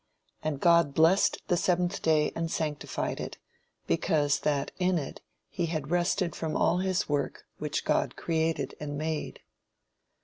And God blessed the seventh day and sanctified it; because that in it he had rested from all his work which God created and made."